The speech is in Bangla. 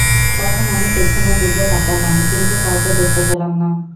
তখন আমি পেছনের দিকে তাকালাম কিন্তু কাউকে দেখতে পেলাম না!